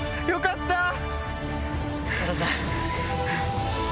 よかった！